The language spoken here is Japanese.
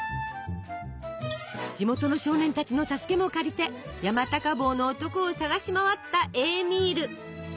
地元の少年たちの助けも借りて山高帽の男を捜し回ったエーミール。